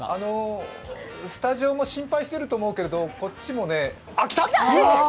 スタジオも心配してると思うけどこっちもねあっ、来た！